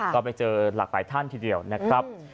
ก็ไปเจอหลากหลายท่านทีเดียวนะครับ